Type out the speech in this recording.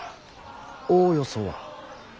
おおよそは。